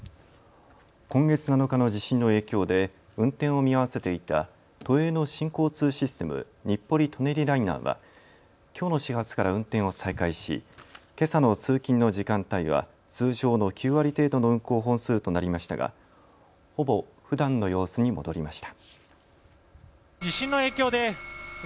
今月７日の地震の影響で運転を見合わせていた都営の新交通システム、日暮里・舎人ライナーはきょうの始発から運転を再開しけさの通勤の時間帯は通常の９割程度の運行本数となりましたがほぼ、ふだんの様子に戻りました。